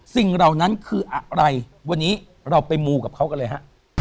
เหล่านั้นคืออะไรวันนี้เราไปมูกับเขากันเลยฮะ